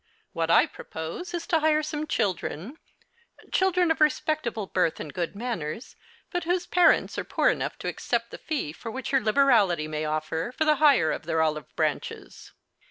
What I propose is to hire some children — children of respectable birth and good manners, but wh(jse parents are poor enough to accept the fee whicli your liberality may oft'er for the hire of their olive branches.